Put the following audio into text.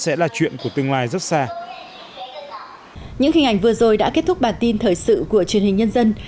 sẽ là chuyện của tương lai rất xa những hình ảnh vừa rồi đã kết thúc bản tin thời sự của truyền hình nhân dân